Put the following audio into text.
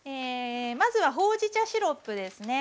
まずはほうじ茶シロップですね。